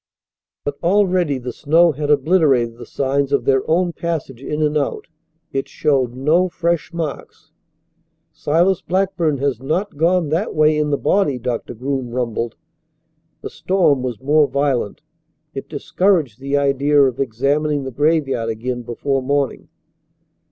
But already the snow had obliterated the signs of their own passage in and out. It showed no fresh marks. "Silas Blackburn has not gone that way in the body," Doctor Groom rumbled. The storm was more violent. It discouraged the idea of examining the graveyard again before morning.